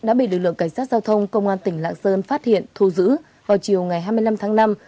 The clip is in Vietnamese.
đã bị lực lượng cảnh sát giao thông công an tỉnh lạng sơn phát hiện thu giữ vào chiều ngày hai mươi năm tháng năm